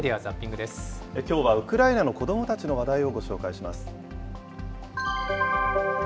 きょうはウクライナの子どもたちの話題をご紹介します。